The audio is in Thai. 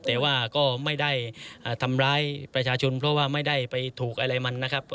แต่ว่าก็ไม่ได้ทำร้ายประชาชนเพราะว่าไม่ได้ไปถูกอะไรมันนะครับ